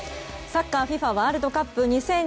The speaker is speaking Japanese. サッカーＦＩＦＡワールドカップ２０２２